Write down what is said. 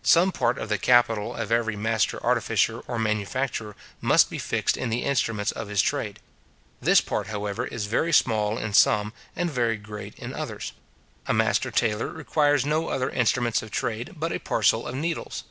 Some part of the capital of every master artificer or manufacturer must be fixed in the instruments of his trade. This part, however, is very small in some, and very great in others, A master tailor requires no other instruments of trade but a parcel of needles.